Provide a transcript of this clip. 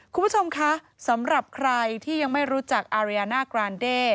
คุณผู้ชมคะสำหรับใครที่ยังไม่รู้จักอาริยาน่ากรานเด้